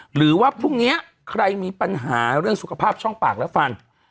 หรือว่าพรุ่งนี้ใครมีปัญหาเรื่องสุขภาพช่องปากและฟัน